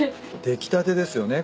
出来たてですよね。